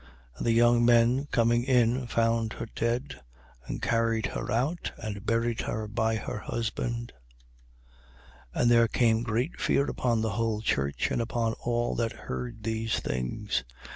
And the young men coming in found her dead: and carried her out and buried her by her husband. 5:11. And there came great fear upon the whole church and upon all that heard these things. 5:12.